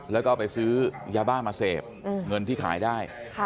แล้วก็ไปซื้อยาบ้ามาเสพเงินที่ขายได้